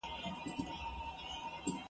دا خیال را برسېره سو